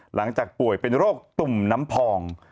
หลังจากป่วยเป็นโรคตุ่มน้ำพอง